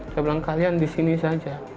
saya bilang kalian disini saja